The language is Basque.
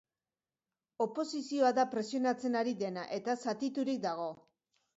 Oposizioa da presionatzen ari dena, eta zatiturik dago.